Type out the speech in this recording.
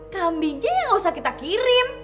kambing aja gak usah kita kirim